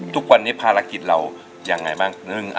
ทุกวันนี้ภารกิจเรายังไงบ้าง